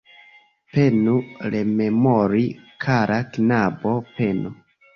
Penu rememori, kara knabo, penu.